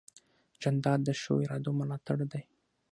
جانداد د ښو ارادو ملاتړ دی.